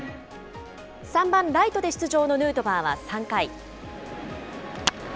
３番ライトで出場のヌートバーは３回。